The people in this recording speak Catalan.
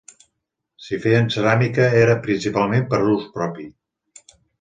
Si feien ceràmica era principalment per a ús propi.